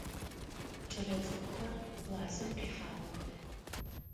Кӏэлэцӏыкӏухэр классым къихьагъэх.